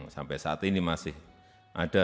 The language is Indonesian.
sampai saat ini masih ada